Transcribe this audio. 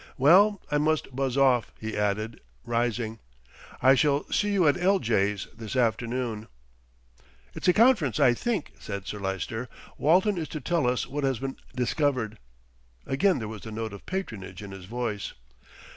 "Well, I must buzz off," he added, rising. "I shall see you at L.J.'s this afternoon." "It's a conference, I think," said Sir Lyster. "Walton is to tell us what has been discovered." Again there was the note of patronage in his voice.